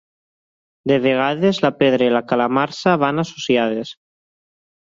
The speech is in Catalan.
De vegades la pedra i la calamarsa van associades.